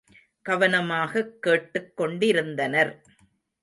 கவனமாகக் கேட்டுக் கொண்டிருந்தனர்.